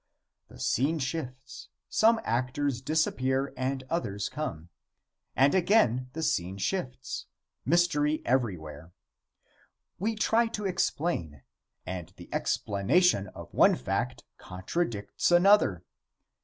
The scene shifts; some actors disappear and others come, and again the scene shifts; mystery everywhere. We try to explain, and the explanation of one fact contradicts another.